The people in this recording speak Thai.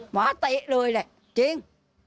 หมาติเลยเลยเจ้าจริง